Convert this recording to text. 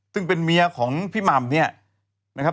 ซึ่งเป็นเมียของพี่หม่ำเนี่ยนะครับ